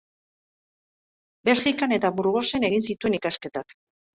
Belgikan eta Burgosen egin zituen ikasketak.